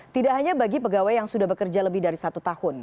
tidak hanya bagi pegawai yang sudah bekerja lebih dari satu tahun